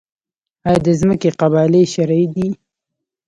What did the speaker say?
آیا د ځمکې قبالې شرعي دي؟